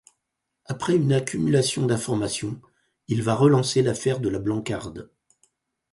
Après une accumulation d'informations, il va relancer l'affaire de la Blancarde.